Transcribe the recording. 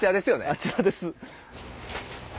あちらです。